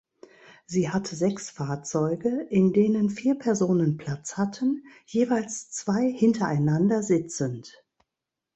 Sie hatte sechs Fahrzeuge, in denen vier Personen Platz hatten, jeweils zwei hintereinander sitzend.